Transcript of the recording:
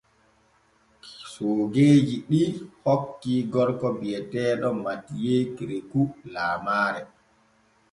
Soogeeji ɗi kokki gorko bi’eteeɗo MATHIEU KEREKOU laamaare.